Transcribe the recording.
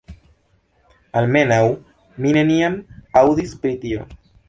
Almenaŭ mi neniam aŭdis pri tio.